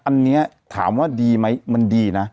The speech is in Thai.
อันนี้ถามว่าดีไหมมันดีนะ